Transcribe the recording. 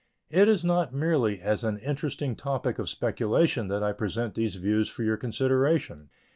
It is not merely as an interesting topic of speculation that I present these views for your consideration.